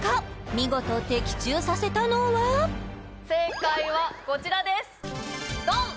見事的中させたのは正解はこちらですドン！